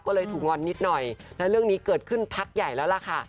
ก็เลยถูกงอนนิดหน่อยและเรื่องนี้เกิดขึ้นพักใหญ่แล้วล่ะค่ะ